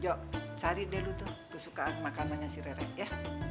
jok cari deh lu tuh kesukaan makanannya si rere ya